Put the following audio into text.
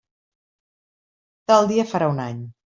Tal dia farà un any!